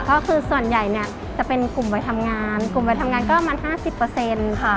ก็คือส่วนใหญ่เนี้ยจะเป็นกลุ่มไว้ทำงานกลุ่มไว้ทำงานก็ประมาณห้าสิบเปอร์เซ็นต์ค่ะ